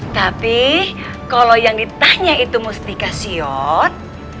tapi kalau yang ditanya itu mustika sion